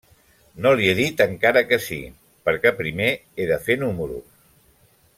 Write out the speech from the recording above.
No l'hi he dit encara que sí, perquè primer he de fer números.